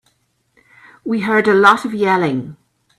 We heard a lot of yelling.